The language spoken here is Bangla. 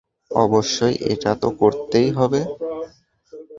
অবশ্যই এটা তো করতেই হবে।